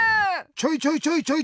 ちょいちょいちょいちょい！